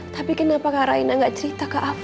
tapi kenapa kak raina gak cerita kak afif